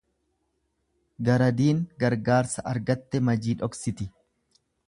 Garadiin gargaarsa argatte majii dhoksiti.